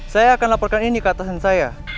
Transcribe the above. saya akan laporkan ini ke atasan saya